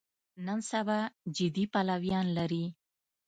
نن سبا جدي پلویان لري.